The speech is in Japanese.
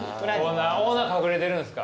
オーナー隠れてるんすか？